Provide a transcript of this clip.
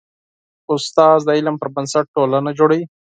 استاد د علم پر بنسټ ټولنه جوړوي.